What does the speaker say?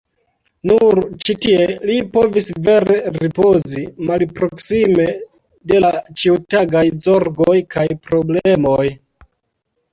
Nur ĉi tie li povis vere ripozi, malproksime de la ĉiutagaj zorgoj kaj problemoj.